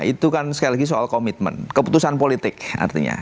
itu kan sekali lagi soal komitmen keputusan politik artinya